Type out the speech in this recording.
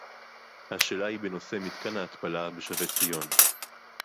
השאלה היא בנושא מתקן ההתפלה בשבי-ציון